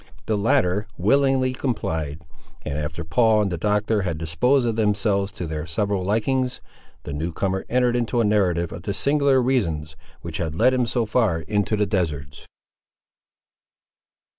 The latter willingly complied; and after Paul and the Doctor had disposed of themselves to their several likings, the new comer entered into a narrative of the singular reasons which had led him so far into the deserts.